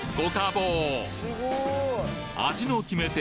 味の決め手